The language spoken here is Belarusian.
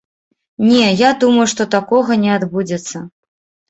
Не, я думаю, што такога не адбудзецца.